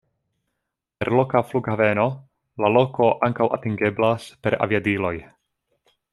Per loka flughaveno la loko ankaŭ atingeblas per aviadiloj.